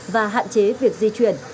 và hạn chế việc di chuyển